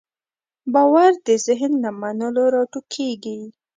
باور د ذهن له منلو راټوکېږي.